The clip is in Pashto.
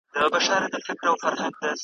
له سهاره تر ماښامه به وو ستړی `